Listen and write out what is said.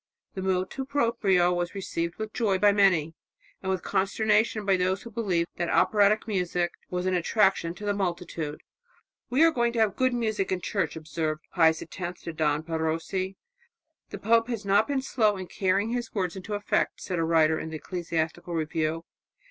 The motu proprio was received with joy by many, and with consternation by those who believed that operatic music was an attraction to the multitude. "We are going to have good music in church," observed Pius X to Don Perosi. "The pope has not been slow in carrying his words into effect," said a writer in the Ecclesiastical Review.